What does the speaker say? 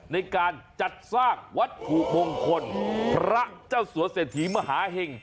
ในการจัดสร้างวัตถุมงคลพระเจ้าสัวเศรษฐีมหาเห็ง